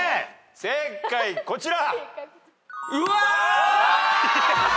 正解こちら。